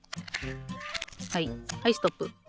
はいはいストップ。